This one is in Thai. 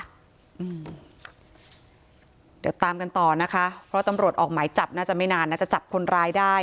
เดี๋ยวตามกันต่อนะคะเพราะตำรวจออกหมายจับน่าจะไม่นานน่าจะจับคนร้ายได้